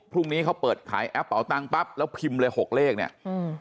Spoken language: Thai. พรุ่งนี้เขาเปิดขายแอปเป่าตังค์ปั๊บแล้วพิมพ์เลยหกเลขเนี้ยอืม